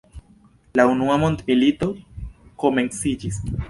La Unua mondmilito komenciĝis.